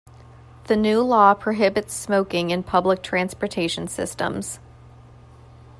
The new law prohibits smoking in public transportation systems.